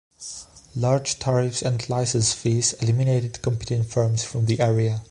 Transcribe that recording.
Large tariffs and license fees eliminated competing firms from the area.